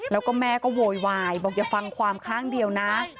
แล้วก็แม่ก็โวยวายบอกอย่าฟังความข้างเดียวนะ